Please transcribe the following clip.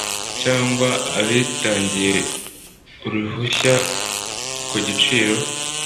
cyangwa abitangiye uruhushya ku giciro